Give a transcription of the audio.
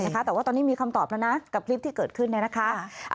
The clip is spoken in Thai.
แต่ว่าตอนนี้มีคำตอบแล้วนะกับคลิปที่เกิดขึ้นเนี่ยนะคะ